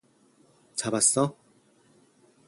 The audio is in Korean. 잡았어?